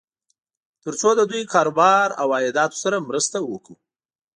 تر څو د دوی کار و بار او عایداتو سره مرسته وکړو.